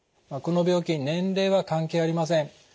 この病気年齢は関係ありません。